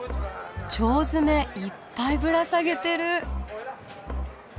腸詰めいっぱいぶら下げてる。